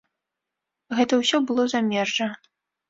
Гэта ўсё было замежжа.